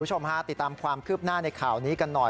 คุณผู้ชมฮะติดตามความคืบหน้าในข่าวนี้กันหน่อย